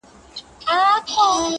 د شپو په زړه کي وینمه توپان څه به کوو؟،